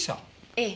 ええ。